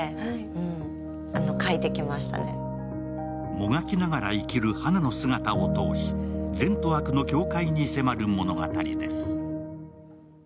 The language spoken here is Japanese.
もがきながら生きる花の姿を通し善と悪の境界に迫る物語です。